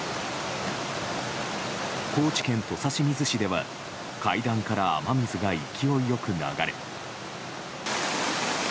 高知県土佐清水市では階段から雨水が勢いよく流れ。